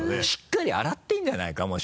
しっかり洗ってるんじゃないか？